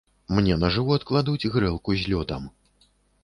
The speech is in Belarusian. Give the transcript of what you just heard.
Мне на жывот кладуць грэлку з лёдам.